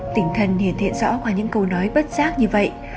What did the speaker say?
tỉnh thần hiện hiện rõ qua những câu nói bất giác như vậy